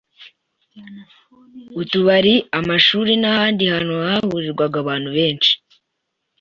Utubari, amashuri n’ahandi hantu hahurirwaga n’abantu benshi